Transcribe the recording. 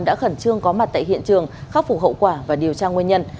đã khẩn trương có mặt tại hiện trường khắc phục hậu quả và điều tra nguyên nhân